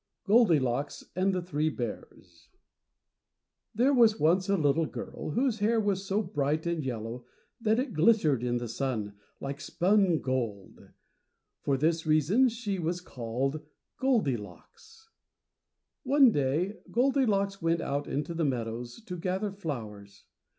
GOLDILOCKS AND THE THREE BEARS There was once a little girl whose hair was so bright and yellow that it glittered in the sun like spun gold. For this reason she was called Goldilocks. One day Goldilocks went out into the meadows to gather flowers.